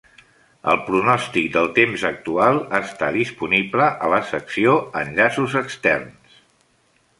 El pronòstic del temps actual està disponible a la secció "Enllaços externs".